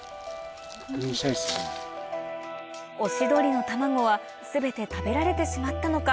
オシドリの卵は全て食べられてしまったのか？